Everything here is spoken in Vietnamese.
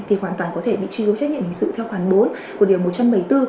thì hoàn toàn có thể bị truy vô trách nhiệm hình sự theo khoản bốn của điều một trăm bảy mươi bốn